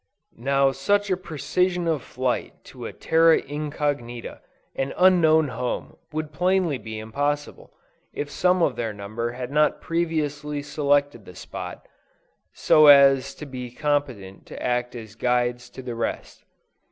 Now such a precision of flight to a "terra incognita," an unknown home, would plainly be impossible, if some of their number had not previously selected the spot, so as to be competent to act as guides to the rest.